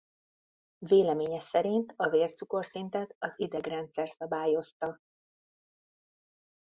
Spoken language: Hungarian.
Véleménye szerint a vércukorszintet az idegrendszer szabályozta.